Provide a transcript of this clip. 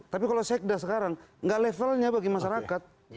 tapi kalau sekda sekarang nggak levelnya bagi masyarakat